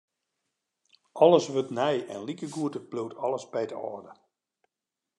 Alles wurdt nij en likegoed bliuwt alles by it âlde.